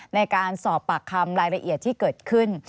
ในการสอบปากคำรายละเอียดที่เกิดขึ้น